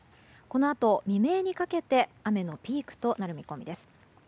このあと、未明にかけて雨のピークとなる見込みです。